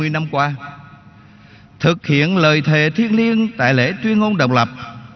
bảy mươi năm qua thực hiện lời thề thiên liêng tại lễ tuyên ngôn độc lập